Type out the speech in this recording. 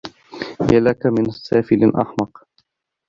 يا لك من سافل أحمق!